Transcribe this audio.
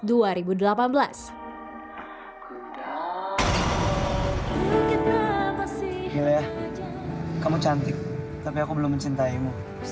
gila ya kamu cantik tapi aku belum mencintaimu